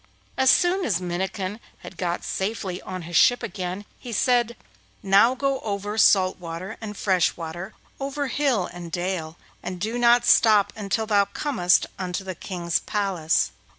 As soon as Minnikin had got safely on his ship again, he said: 'Now go over salt water and fresh water, over hill and dale, and do not stop until thou comest unto the King's palace.